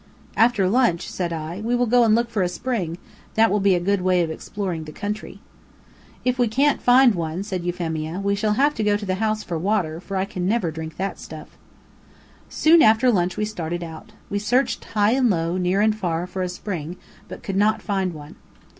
"After lunch," said I, "we will go and look for a spring; that will be a good way of exploring the country." "If we can't find one," said Euphemia, "we shall have to go to the house for water, for I can never drink that stuff." Soon after lunch we started out. We searched high and low, near and far, for a spring, but could not find one.